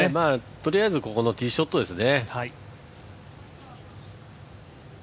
とりあえずここのティーショットですね。